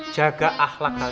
jaga ahlak kalian